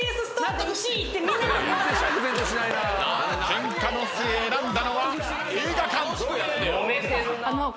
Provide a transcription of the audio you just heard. ケンカの末選んだのは映画館。